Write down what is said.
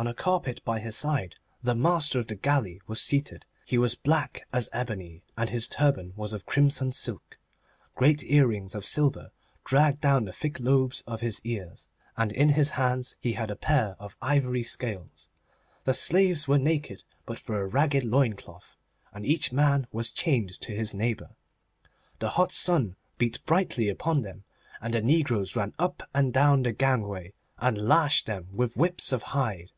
On a carpet by his side the master of the galley was seated. He was black as ebony, and his turban was of crimson silk. Great earrings of silver dragged down the thick lobes of his ears, and in his hands he had a pair of ivory scales. The slaves were naked, but for a ragged loin cloth, and each man was chained to his neighbour. The hot sun beat brightly upon them, and the negroes ran up and down the gangway and lashed them with whips of hide.